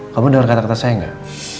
kamu denger kata kata saya gak